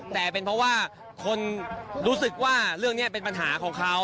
แต่เป็นเพราะว่าคนรู้สึกว่าเรื่องนี้เป็นปัญหาของเขา